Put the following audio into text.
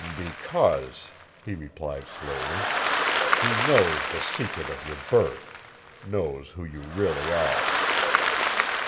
"Because," he replied, slowly, "he knows the secret of your birth, knows who you really are."